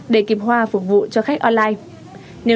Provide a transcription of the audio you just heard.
để kịp hoa phục vụ cho khách online